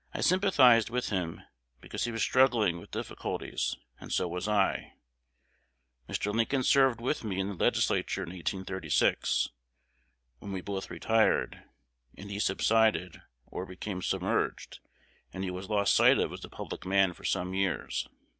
I sympathized with him because he was struggling with difficulties; and so was I. Mr. Lincoln served with me in the Legislature in 1836, when we both retired, and he subsided, or became submerged; and he was lost sight of as a public man for some years.